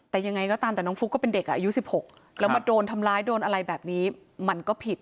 แต่ยังไงก็ตามแต่น้องฟุ๊กก็เป็นเด็กอายุ๑๖แล้วมาโดนทำร้ายโดนอะไรแบบนี้มันก็ผิด